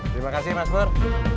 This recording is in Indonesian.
terima kasih mas bur